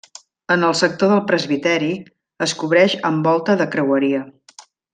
En el sector del presbiteri es cobreix amb volta de creueria.